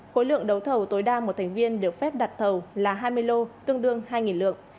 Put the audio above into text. khối lượng đấu thầu tối đa một thành viên được phép đặt thầu là hai mươi lô tương đương hai lượng